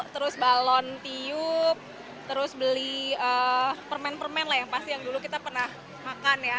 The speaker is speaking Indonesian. terus balon tiup terus beli permen permen lah yang pasti yang dulu kita pernah makan ya